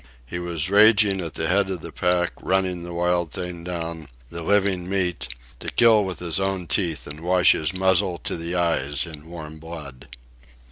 He was ranging at the head of the pack, running the wild thing down, the living meat, to kill with his own teeth and wash his muzzle to the eyes in warm blood.